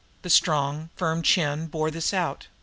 The strong, firm chin bore this out.